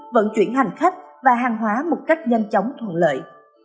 vận chuyển hành khách và hàng hóa một cách nhanh chóng thuận lợi